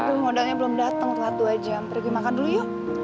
udah modalnya belum dateng telat dua jam pergi makan dulu yuk